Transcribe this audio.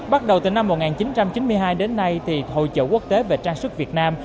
bắt đầu từ năm một nghìn chín trăm chín mươi hai đến nay hội chậu quốc tế về trang sức việt nam